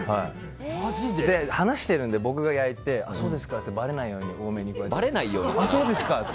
話しているので、僕が焼いてそうですかって言ってばれないように、多めに。